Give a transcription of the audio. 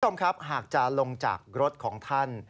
ทุกคมครับหากจะลงจากรถของท่าน